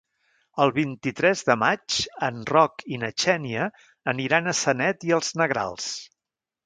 El vint-i-tres de maig en Roc i na Xènia aniran a Sanet i els Negrals.